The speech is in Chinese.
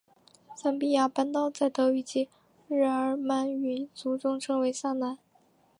桑比亚半岛在德语及日耳曼语族中称为桑兰。